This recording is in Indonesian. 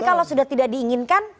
kalau sudah tidak diinginkan